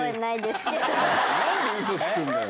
何でウソつくんだよ！